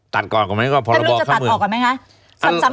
ตัดก่อนก่อนไหมก็พอเราบอกข้างเมืองท่านรู้จะตัดออกก่อนไหมคะ